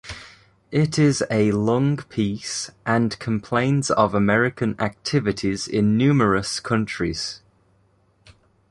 It is a long piece, and complains of American activities in numerous countries.